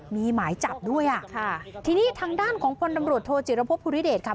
มีหมายจับด้วยอ่ะค่ะทีนี้ทางด้านของพลตำรวจโทจิรพบภูริเดชค่ะ